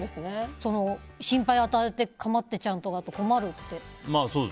心配を与えてかまってちゃんだと困るとかって。